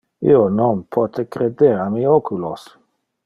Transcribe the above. Io non pote creder a mi oculos.